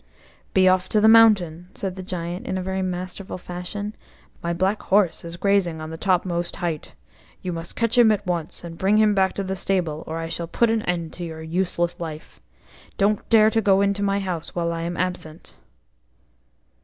E off to the mountain," said the Giant in a very masterful fashion. "My black horse is grazing on the topmost height. You must catch him at once, and bring him back to the stable, or I shall put an end to your useless life. Don't dare to go into my house while I am absent."